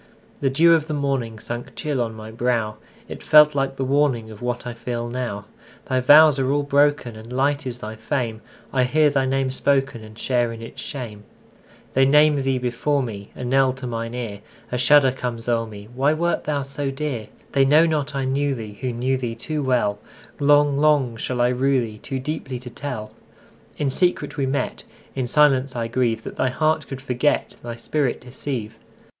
The dew of the morningSunk chill on my brow; It felt like the warningOf what I feel now. Thy vows are all broken, And light is thy fame:I hear thy name spokenAnd share in its shame. They name thee before me,A knell to mine ear;A shudder comes o'er me—Why wert thou so dear? They know not I knew theeWho knew thee too well:Long, long shall I rue theeToo deeply to tell.In secret we met:In silence I grieveThat thy heart could forget, Thy spirit deceive.